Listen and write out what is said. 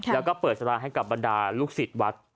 แล้วก็เปิดสาราให้กับบรรดาลูกศิษย์วัด